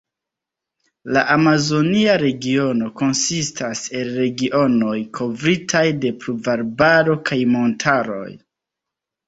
La Amazonia Regiono konsistas el regionoj kovritaj de pluvarbaro kaj montaroj.